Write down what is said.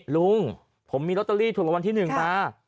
ลุงผมมีลอตเตอรี่ถูกรางวัลที่๑มา